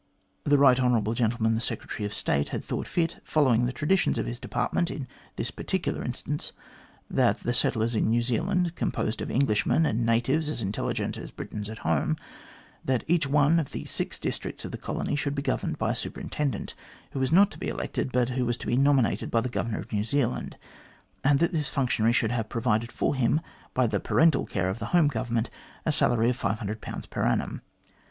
The right hon. gentleman, the Secretary of State, had thought fit, following the traditions of his department in this particular instance, that the settlers in New Zealand, composed of Englishmen and natives as intelligent as Britons at home that each one of the six districts of the colony should be governed by a Superintendent, who was not to be elected, but who was to be nominated by the Governor of New Zealand, and that this functionary should have provided for him, by the parental care of the Home Government, a salary of 500 per annum.